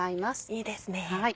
いいですね。